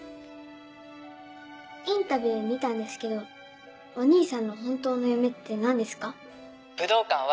インタビュー見たんですけどお兄さんの本当の夢って何ですか？